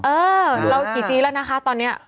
เออเรากี่จีนแล้วนะคะตอนนี้